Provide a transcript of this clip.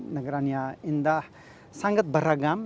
negaranya indah sangat beragam